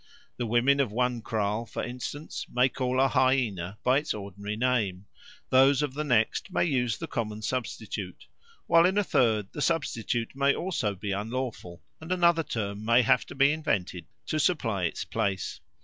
The women of one kraal, for instance, may call a hyaena by its ordinary name; those of the next may use the common substitute; while in a third the substitute may also be unlawful and another term may have to be invented to supply its place.